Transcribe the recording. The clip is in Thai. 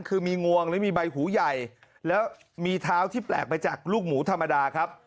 คือมีงวงหรือมีใบหูใหญ่แล้วมีเท้าที่แปลกไปจากลูกหมูธรรมดาครับ